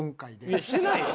いやしてないよ。